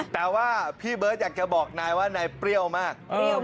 แต่ว่าพี่เบิร์ตอยากจะบอกนายว่านายเปรี้ยวมาก